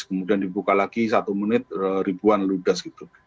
kemudian dibuka lagi satu menit ribuan ludas gitu